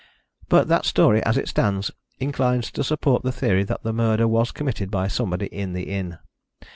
But that story, as it stands, inclines to support the theory that the murder was committed by somebody in the inn.